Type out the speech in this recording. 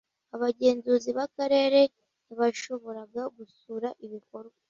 abagenzuzi b'akarere ntibashoboraga gusura ibikorwa